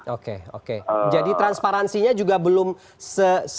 oke oke jadi transparansinya juga belum selesai